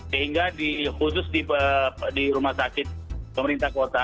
sehingga khusus di rumah sakit pemerintah kota